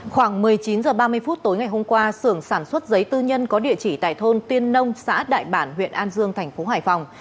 khoảng một mươi chín h ba mươi phút tối ngày hôm qua xưởng sản xuất giấy tư nhân có địa chỉ tại thôn tiên nông xã đại bản huyện an dương thành phố hải phòng